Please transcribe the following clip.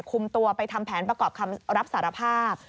คุมตัวไปทำแผนประกอบคำรับสารภาพ